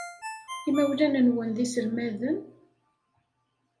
Imawlan-nwen d iselmaden?